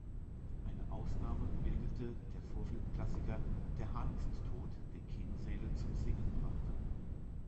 Eine Ausnahme bildete der Vorfilm-Klassiker "Der Hahn ist tot", der Kinosäle zum Singen brachte.